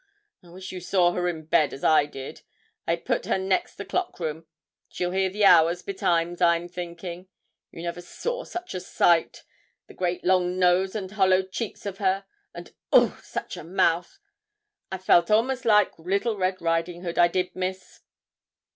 I wish you saw her in bed as I did. I put her next the clock room she'll hear the hours betimes, I'm thinking. You never saw such a sight. The great long nose and hollow cheeks of her, and oogh! such a mouth! I felt a'most like little Red Riding Hood I did, Miss.'